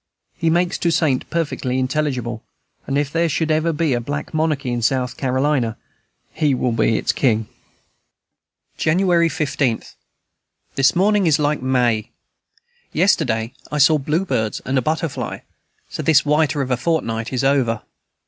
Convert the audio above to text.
He makes Toussaint perfectly intelligible; and if there should ever be a black monarchy in South Carolina, he will be its king. January 15. This morning is like May. Yesterday I saw bluebirds and a butterfly; so this whiter of a fortnight is over.